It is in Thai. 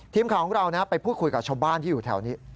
ทีมข่าวของเราไปพูดคุยกับชาวบ้านที่อยู่แถวนี้